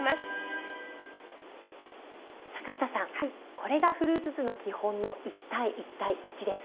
これがフルーツ酢の基本の１：１：１です。